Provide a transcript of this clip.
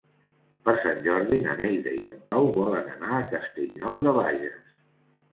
Per Sant Jordi na Neida i en Pau volen anar a Castellnou de Bages.